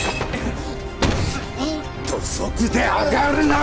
土足で上がるな！